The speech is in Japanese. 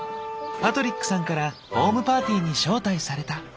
パトリックさんからホームパーティーに招待された。